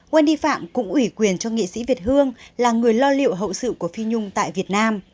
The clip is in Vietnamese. wendy phạm cũng ủy quyền cho nghị sĩ việt hương là người lo liệu hậu sự của phi nhung tại việt nam